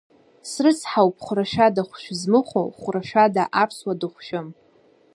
Срыцҳауп хәрашәада хәшәы змыхәо, Хәрашәада аԥсуа дыхәшәым.